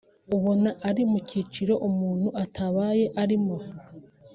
ubona ari mu cyiciro umuntu atakabaye arimo